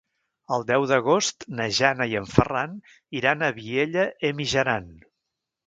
El deu d'agost na Jana i en Ferran iran a Vielha e Mijaran.